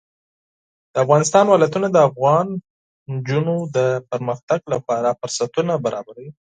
د افغانستان ولايتونه د افغان نجونو د پرمختګ لپاره فرصتونه برابروي.